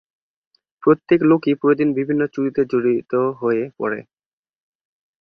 প্রত্যেক লোকই প্রতিদিন বিভিন্ন চুক্তিতে জড়িত হয়ে পড়ে।